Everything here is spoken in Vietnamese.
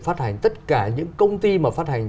phát hành tất cả những công ty mà phát hành